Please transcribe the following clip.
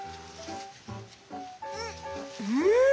うん！